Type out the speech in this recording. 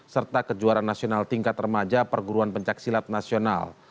serta kejuaraan nasional tingkat remaja perguruan pencaksilat nasional